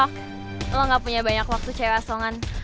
kalo lo gak punya banyak waktu cewek asongan